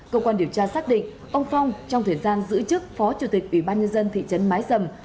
cơ quan điều tra xác định ông phong trong thời gian giữ chức phó chủ tịch ủy ban nhân dân thị trấn mái dầm